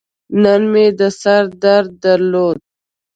نن مې د سر درد درلود.